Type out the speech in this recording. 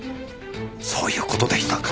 そういう事でしたか。